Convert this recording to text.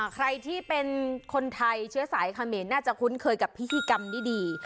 ใครที่เป็นคนไทยเชื้อสายเขมรน่าจะคุ้นเคยกับพิธีกรรมดี